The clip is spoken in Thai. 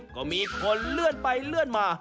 ก็มีคนเลื่อนไปเลื่อนมา